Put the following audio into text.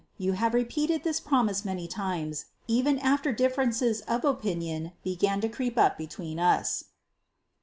. You have repeated this promise many times, even after differences of opinion began to creep up between us."